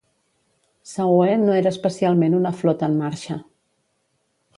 Sauer no era especialment una flota en marxa.